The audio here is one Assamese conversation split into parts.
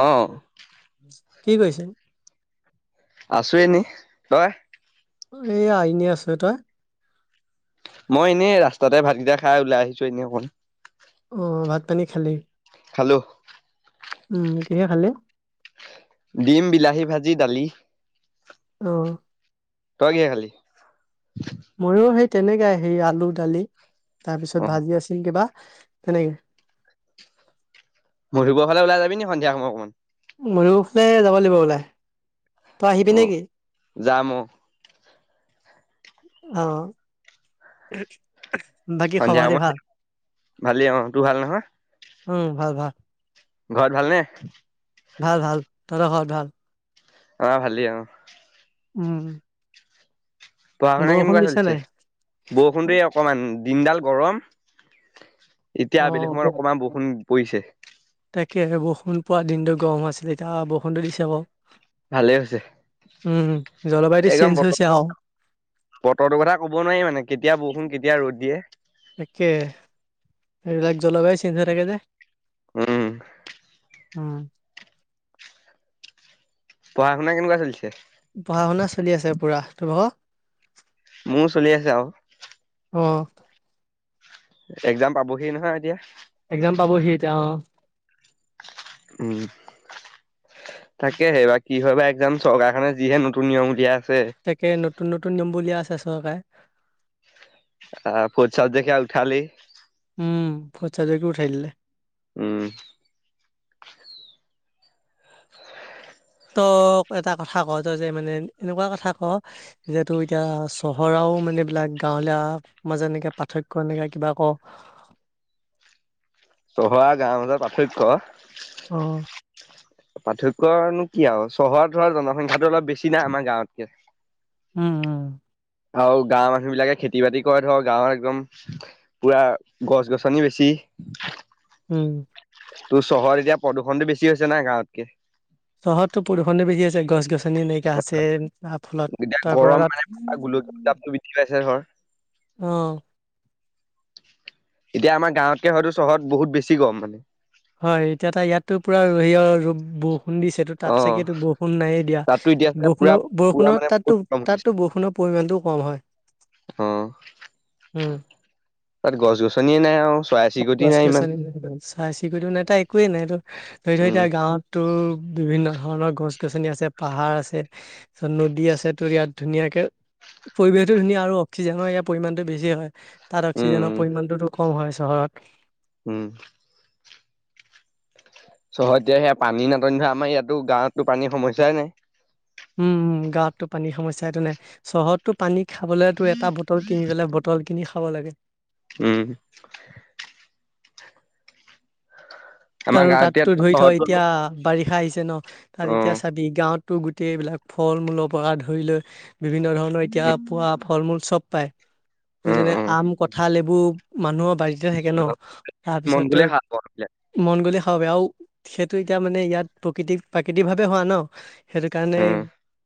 অঁ কি কৈছে? আছো এনেই, তই? এয়া এনেই আছোঁ, তই? মই এনেই ৰাস্তাতে ভাতকেইটা খাই ওলাই আহিছো এনেই অকণ। অ' ভাত পানী খালি? খালোঁ৷ উম কিহে খালি? ডিম, বিলাহী, ভাজি, দালি৷ অ [unintelligible] তই কি খালি? ময়ো সেই তেনেকাই সেই আলু দালি তাৰপিছত অ ভাজি আছিল কিবা৷ সেনেকে মধুপুৰৰ ফালে ওলাই যাবি নেকি, সন্ধিয়া সময় অকণমান? মধুপুৰ ফালে, যাব লাগিব ওলাই৷ তই আহিবি অ' নেকি যাম অ'৷ অ' বাকী সন্ধিয়া খবখাতি সময়ত ভাল? ভালেই অ তোৰ ভাল নহয় উম ভাল ভাল৷ ঘৰত ভালনে? ভাল ভাল, তহঁতৰ ঘৰত ভাল? অ' ভালেই আৰু৷ উম পঢ়া শুনা বৰষুণ কেনেকুৱা দিছে চলিছে? নাই বৰষুণ দে অকমান দিনডাল গৰম। এতিয়া অ আবেলি সময়ত অকমান বৰষুণ পৰিছে৷ এ বৰষুণ পুৱা দিনটো গৰম হৈ আছিলে, এতিয়া বৰষুণটো দিছে বাৰু৷ ভালে হৈছে৷ উম জলবায়ুটো একদম চেঞ্জ বতৰ হৈছে আও৷ বতৰটোৰ কথা ক'ব নোৱাৰি মানে, কেতিয়া বৰষুণ, কেতিয়া ৰ'দ দিয়ে৷ তাকে, এইবিলাক জলবায়ু চেঞ্জ হৈ থাকে যে। উম। [unintelligible] পঢ়া শুনা কেনেকুৱা চলিছে? পঢ়া শুনা চলি আছে পুৰা ত মোৰও চলি আছে আৰু। অ' এক্জাম পাবহি নহয় এতিয়া। এক্জাম পাবহি এতিয়া অ'। [unintelligible] তাকে সেই বা কি হয় বা একজাম চৰকাৰখনে যিহে নতুন নিয়ম উলিয়াই আছে। তাকে নতুন নতুন নিয়ম উলিয়ীই আছে চহকাৰে। আহ পচত দেখে উঠালি। উম ফচা জক উঠাই দিলে। উম। ত এটা কথা ক তই যে মানে এনেকুৱা কথা ক যে টো এতিয়া চহৰও মান এই বিলাক গাঁৱলীয়া মাজে এনেকে পাৰ্থক্য এনেকে কিবা ক [inaudible] চহৰ আৰু গাওঁ মাজত পাৰ্থক্য অ' উম পাৰ্থক্যনো কি আৰু চহৰত ধ জনসংখ্যাটো অলপ বেছি নাই আমাৰ গাঁৱতকে। উম উম। আৰু গাঁৱৰ মানুহ বিলাকে খেতি বাতি কৰে ধৰ গাঁৱত একদম পুৰা গছ গছনি বেছি। উম। ত' চহৰত এতিয়া প্ৰদূষণটো বেছি হৈছে নাই গাঁৱতকে। চহৰততো প্ৰদূষণে বেছি আছে, গছ গছ নী নাইকিয়া হৈছে তা ফলত এতিয়া তাৰ পৰা গৰম মানে তাত গোলকীয় উত্তাপটো বৃদ্ধি পাইছে ধৰ অ'। এতিয়া আমাৰ গাঁৱতকে হয়তো চহৰত বহুত বেছি গৰম মানে হয়, এতিয়া তা ইয়াততো পুৰা হেয়া ৰ'দ ব বৰষুণ দিছে তো তাত অ চাগে বৰষুণ নাইয়েই দিয়া তাতো এতিয়া বৰষুণ পুৰা পুৰা বৰষুণত মানে বহুত তাতো গৰম হৈছে তাতো বৰষুণত পৰিমণটোও কম হয় অ উম। তাত গছ গছনিয়ে নাই আৰু। চৰাই ত চিৰিকটি নাই ইমান চাই চি দিও নাই তাই একোৱে নাইতো ধৰি থৰি উম এতিয়া গাঁৱততো বিভিন্ন ধৰণৰ গছ গছনি আছে পাহাৰ আছে তাৰচত নদী আছে তো ইয়াত ধুনীয়াকে। পৰিৱেশটো ধুনীয়া আৰু অক্সিজেনৰ ইয়াৰ পৰিমাণটো বেছি হয়। তাত উম অক্সিজেনৰ উম পৰিমাণটোতো কম হয় চহৰত। উম। চহৰত এতিয়া সেয়া পানী নাটনি ধ আমাৰ ইয়াতো গাঁৱতো পানীৰ সমস্যাই নাই। উম গাঁৱততো পানীৰ সমস্যয়াটো নাই চহৰতটো পানী খাবলেতো এটা বটল কিনি পলে বটল কিনি খাব লাগে। উম। আমাৰ আৰু গাঁৱত এতিয়া তাততো ধৰি থ চহৰতো অ এতিয়া বাৰিষা আহিছে ন তাত এতিয়া চাবি গাঁৱত টো গোটেই এইবিলাক ফল মূলৰ পৰা ধৰি লৈ বিভিন্ন ধৰণৰ এতিয়া পোৱা ফল মূল চব পায়। উম যেনে উম আম, কঠাল এইবোৰ মানুহৰ বাৰী তে থাকে ন মন গ'লে তাৰপিছত সাৰ পাওঁ এইবিলাক মন গ'লে খাব পাৰি আৰু সেইটো এতিয়া মানে ইয়াত প্ৰকৃতিক প্ৰাকৃতিক ভাৱে হোৱা ন? সেইটো কাৰণেই, উম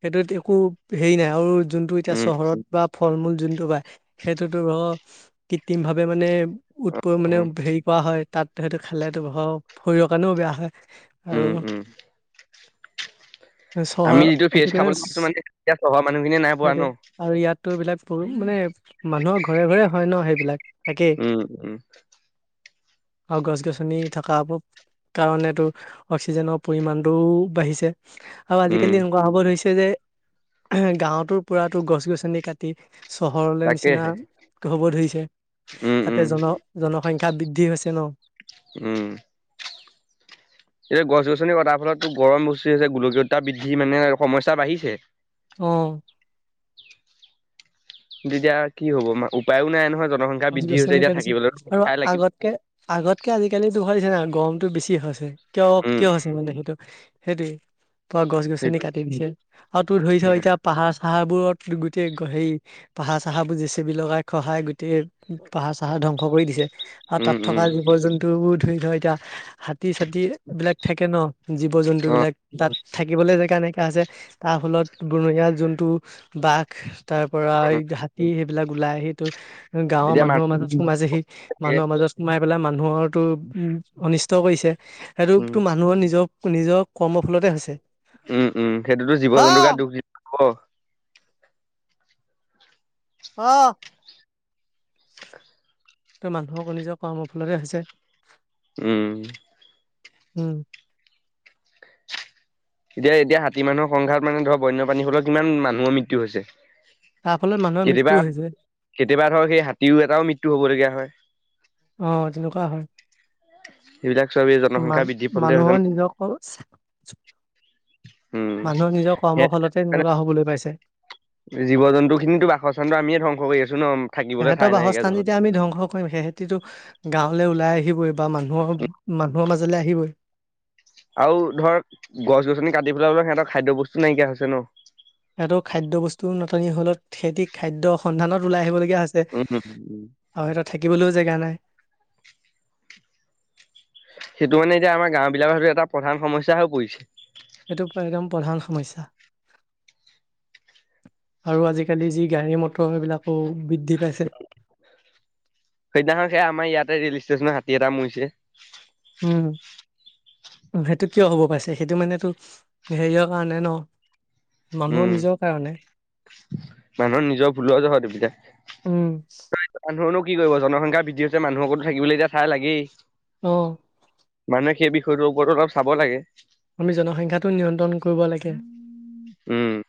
সেইটোত একো হেৰি নাই আৰু জোনটো এতিয়া উম চহৰত বা ফল মূল যোনটো বা সেইটোতো কৃত্ৰিম ভাৱে মানে উৎপ মানে উম হেৰি কৰা হয় তাত সটো খালে শৰীৰৰ কাৰণেও বেয়া হয়। উম আৰু উম চহৰৰ আমি যিটো ফ্ৰেছ সেইটো কেনে খাবলৈ পাইছো মানে এতিয়া চহৰৰ মানুহখিনিয়ে নাই পোৱা ন সেই আৰু ইয়াতো এই বিলিলাক মানে মানুহৰ ঘৰে ঘৰে হয় ন সেইবিলাক। উম উম। অহ গছ গছ গছনি থকা কাৰণেতো অক্সিজেনৰ পৰিমাণটোও বাঢ়িছে। আৰু উম আজিকালি এনেকুৱা হব ধৰিছে যে এ গাৱতো পোৰাতো গছ গছনি কাটি চহৰলে নিচিনা। তাকেহে হব ধৰিছে, উম উম তাতে জন-জনসংখ্যা বৃদ্ধি হৈছে ন। উম, এতিয়া গছ গছনি কটাৰ ফলতো গৰম বেছি হৈছে গোলকীয়তা বৃদ্ধি মানে সমস্যা বাঢ়িছে। অ', তেতিয়া কি হ'ব ম উপায়ো নাই নহয় জনসংখ্যা গছ - বৃদ্ধি হৈছে গছনি এতিয়া কাটিছে থাকিবলৈ আৰু ঠাই লাগিব আগতকে - আগত। কে আজিকালিতো হছে না গৰমতটো বেছি হৈছে কিয় উম কিয় হৈছে মানে সেইটো সেইটোৱে। পোৱা গছ - গছনি সেইটো কাটি দিছে আৰু তোৰ ধৰিছ এতিয়া পাহাৰ হাৰ বোৰত গোটেই হে পাহাৰ চাহাৰবোৰ জেচিপি লগাই খহাই গোটেই। পাহাৰ চাহাৰ ধ্বংস কৰি দিছে, আৰু উম তাত থকা উম জীৱ জন্তুবোৰ ধ - ধৰ এতিয়া হাতী চাতীবিলাক থাকে ন জীৱ অ জন্তুবিলাক তাত। থাকিবলৈ জেগা নাইকা হৈছে তাৰ ফলত বনৰীয়া জন্তু বাঘ তাৰ পৰা অ হাতী সেইবিলাক ওলাই আহি টো গাঁৱৰ এতিয়া মানুহ মানুহৰ মাজত সোমাইছেহি, থাকে মানুহৰ মাজত সোমাই পেলাই মানুহৰ তোৰ অনিষ্ট ষ্ট কৰিছে উম সেইটোতো মানুহৰ নিজৰ - নিজৰ কৰ্মৰ ফলতে হৈছে। উম - উম সেইটোতো জীৱ জন্তুৰ অ', গাত দুখ দি হব। অ', ত মানুহকো নিজৰ কৰ্মৰ ফলতে হৈছে উম, উম, এতিয়া - এতিয়া হাতী মানুহৰ সংঘাত মানে ধৰক বন্যপ্ৰাণী হলেও কিমান মানুহৰ মৃত্যু হৈছে। তাৰ ফলত মানুহৰ কেতিয়াবা মৃত্যুও হৈছে। কেতিয়াবা ধৰক সেই হাতীও এটাও মৃত্যু হবলগীয়া হয়। অ' তেনেকুৱা হয়। সেইবিলাক চব এই জনসংখ্যা বৃদ্ধিৰ ফলতে হৈছে মান-মানুহৰ নিজকো উম ফলতে তেনেকুৱা হ'বলৈ পাইছে জীৱ জন্তু খিনিতো বাসস্থানটো আমিয়ে ধ্বংস কৰি আছো ন থাকিবলৈ ঠাই নাইকিয়া জহত। হেতিতটো গাঁৱলৈ ওলাই আহিবই বা মানুহৰ মানুহৰ মাজলৈ আহিবই। আৰু ধৰ গছ গছনি কাটি পেলাই বলে সিহঁতৰ খাদ্য বস্তু নাইকিয়া হৈছে ন। ইহতৰ খাদ্যবস্তুৰ নাটনি হলত খেতিত খাদ্য সন্ধানত ওলাই আহিবলগীয়া হৈছে, আৰু সিহঁতৰ থাকিবলৈ জেগা নাই। সেইটো মানে এতিয়া আমাৰ গাও বিলাকৰ হেতো এটা প্ৰধান সমস্যা হৈ পৰিছে। এইটো প একদম প্ৰধান সমস্যা। আৰু আজিকালি যি গাড়ী মটৰ সেইবিলাকো বি সেইদিনাখন সে আমাৰ ইয়াতে ৰেল ষ্টেচনত হাতী এটা মৰিছে। উম। সেইটো কিয় হ'ব পাইছে সেইটো মানেটো হেৰিয়ৰ কাৰণে ন। মানুহৰ উম, নিজৰ কাৰণে। মানুহৰ নিজৰ ভুলৰ যহত এইবিলাক, উম, তই মানুহনো কি কৰিব জনসংখ্যা বৃদ্ধি হৈছে মানুহকো তো থাকিবলৈ এতিয়া ঠাই লাগেই। অ'। মানুহে সেই বিষয়টোৰ ওপৰতো অলপ চাব লাগে। আমি জনসংখ্যাটো নিয়ন্ত্ৰণ কৰিব লাগে। উম।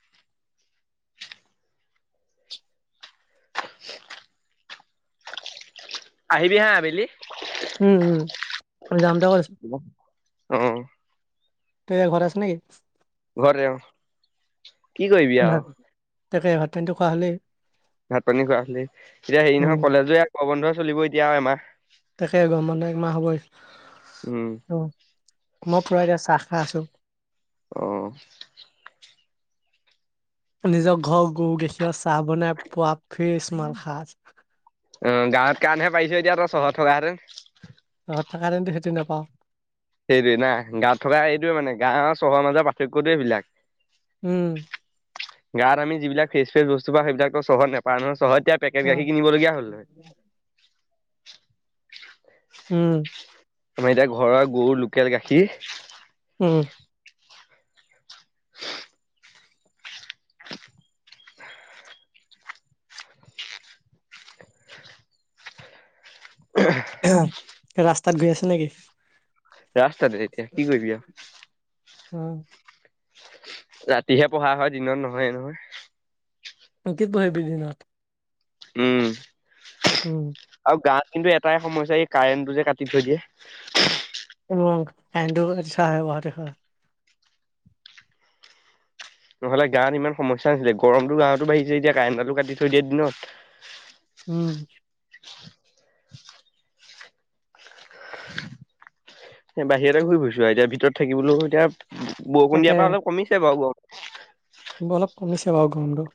আহিবি হা আবেলি। উম- উম ম যাম ত কৰিছ। অ', ততিয়া ঘৰত আছ নেকি? ঘৰ, কি কৰিবি ভাত আৰু। তাকে ভাত নটো খোৱা হ'লে। ভাত পানী খোৱা হলি এতিয়া হেৰি উম নহয় কলেজো প্ৰবন্ধ চলিব এতিয়া এমাহ। তাকে গ মানে একমাহ হ গবৈ। উম, অ, মই পুৰাে চাহ খাহ আছো। অ', [inaudible] নিজৰ ঘৰ গৰু গাখীৰ চাহ বনাই পোৱা ফিৰ স্মমান সাজ অ, গাৱত কাৰণহে পাইছো এতিয়া ত চহৰত থকা তহত থকা [unintelligible] সেইটো নোপাওঁ। সেইটোৱে না গাত থকা এইোৱে মানে গাও চহৰৰ মাজৰ পাৰ্থক্যটোৱ এইবিলাক। উম, গাঁওত আমি যিবিলাক ফ্ৰেচ ফ্ৰেচ বস্তু পাওঁ সেই বিলাক চহৰত নাপাওঁ নহয় চহৰত এতিয়া অ পেকেট গাখীৰ কিনিবলগীয়া হ'ল নহয়। উম, আমাৰ এতিয়া ঘৰৰ গৰু লোকেল গাখীৰ। উম, ৰাস্তাত গৈ আছে নেকি! ৰাস্তাতে এতিয়া কি কৰিবা। অ'। ৰাতিহে পঢ়া হয় দিনত নহয় - নহয়। কতি প বিধিনাথ। উম, উম, গাত কিন্তু এটাই সমস্যা এই কাৰেণ্টটো যে কাটি থৈ দিয়ে। এছাে ব দে। নহলে গাৱত ইমান সমস্যা নাছিলে গৰমতো গাৱতো বাঢ়িছে এতিয়া কাৰেণ্টটো কাটি থৈ দিয়া দিনত। উম, [inaudible] এ' বাহিৰতে ঘূৰি ফুৰিছো আৰু এতিয়া ভিতৰত থাকিবলৈও এতিয়া বৰষুণ তাকে দিয়াৰ পৰা অলপ কমিছে বাৰু অলপ কমিছে বাও গৰমটো।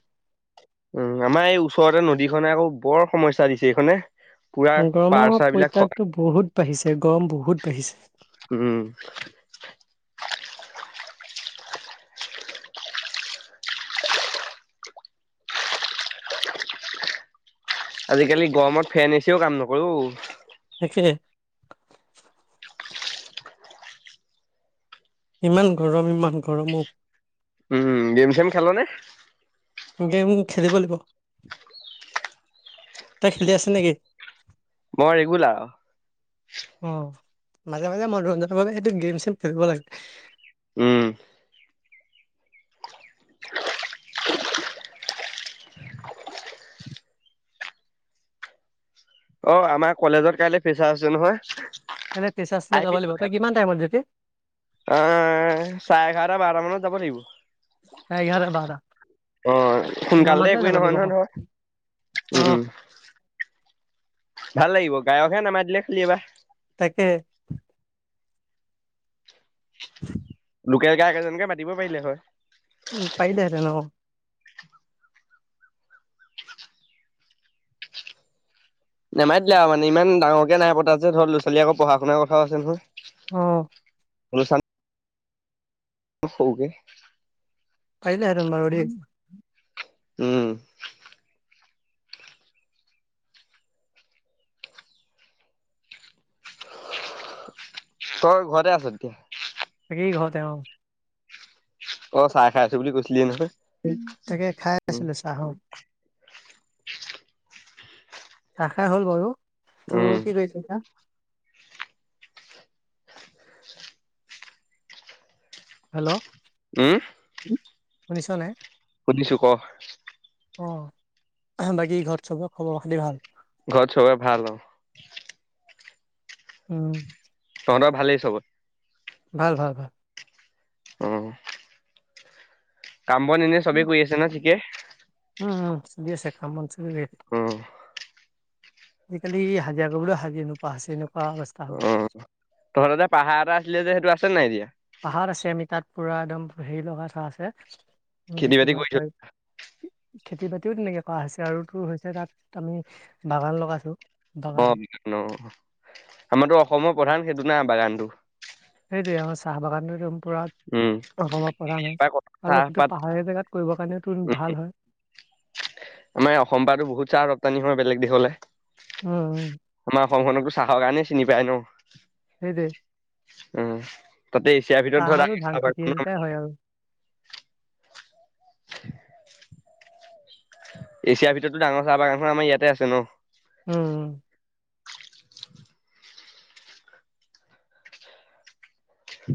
উম, আমাৰ এই ওচৰতে নদীখনে আকৌ বৰ সমস্যা দিছে এইখনে। পুৰা পাৰ গৰমৰ চাৰ বিলাক খ পৰিত্ৰাপ তো বহুত বাঢ়িছে গৰম বহুত বাঢ়িছে। উম, আজিকালি গৰমত ফেন এচিও কাম নকৰেও। একে। ইমান গৰম ইমান গৰমো। উম, গেম চেম খেল নে গেম খেলিব লাগিব তই খেলি আছ নেকি? মই ৰেগুলাৰ অ, অ' মাজে মাজে মনোৰঞ্জনৰ বাবে সেইটো গেম চেম খেলিব লাগে। উম, অ, আমাৰ কলেজত কাইলে ফেচাৰ আছে নহয়। এনে প্ৰেচাৰ চেচাৰ যাব আহিবি লাগিব থ তই কিমান টাইমত যাবি আহ চাৰে এঘাৰটা বাৰ মানত। যাব লাগিব। চাৰে এঘাৰটা বাৰটা অ' ইমান সোনকালতে মানতে একোৱেই যাব নহয় লাগিব অ নহয় ধৰ উম-উম। ভাল লাগিব গায়কহে নামাতিলে [unintelligible] বা। তাকে। [unintelligible] লোকেল গাইক এজনকে মাতিব পাৰিলে হয়। উম [unintelligible] নেমাতিলে আৰু মানে ইমান ডাঙৰকে নাই পতা যে ধৰ ল'ৰাোৱালী আকৌ পঢ়া শুনা কথা আছে নহয়। অ মলচান হওঁকে। পৰিলা হেতেন বাৰো দেই। উম। তই ঘৰতে আছ' নেকি? সি ঘৰতে অ'। অ', চাহ খাই আছোঁ বুলি কৈছিলি নহয়। তাকে খাই উম আছিলে চাহৰ চাহ খাই হ'ল বাৰু, উম তোৰ [unintelligible] হেল্ল' হম? শুনিছ নে? শুনিছো ক। অ, বাকী ঘৰত চবে খবৰ খাতি ভাল? ঘৰত চবে ভাল অ'। উম তহঁতৰ ভালেই চব? ভাল ভাল ভাল। অ'। কাম বন এনে চবে কৰি আছে ন সুধি আছে কামত [unintelligible] অ আজিকালি হাজিৰা কৰিবলৈও হাজিৰ নোপোৱা হৈছে এনেকুৱা অৱস্থা হ'ব। অ তহঁতৰ পাহাৰ এটা আছিলে যে, সেইটো আছে নাই এতিয়া? পাহাৰ আছে আমি তাত পুৰা একদম হেৰি লগা চাহ আছে খেতি ইন্দকী বাতি কৰিছ ভাষাই খেতি বাতিও তেনেকে কৰা হৈছে আৰু তোৰ হৈছে তাত আমি বাগান লগাইছোঁ। অ [unintelligible] অ আমাৰতো অসমৰ প্ৰধান সেইটো না বাগানতো। সেইটোৱে ম চাহ বাগানটো পুৰা উম অসমত পৰা় ন এইবাৰ আৰু সেইটো চাহপাত পাহাৰীয়া জেগাত কৰিবৰ কাৰণে উম ভাল হয়। আমাৰ অসম পাতো বহুত চাহ ৰপ্তানি হয় বেলেগ দেশলে। উম, উম। অসম খনকটো চাহ কাৰানে চিনি পায় ন। সেই দে উম তাতে এছিয়াৰ ভিতৰত আৰু ধান খেতি এই ধৰ দুটাই হয় আৰু। [unintelligible] এছিয়াৰ ভিতৰতো ডাঙৰ চাহ বাগানখন আমাৰ ইয়াতে আছে ন। উম, উম।